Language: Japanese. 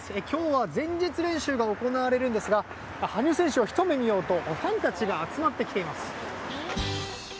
今日は前日練習が行われるんですが羽生選手をひと目見ようとファンたちが集まってきています。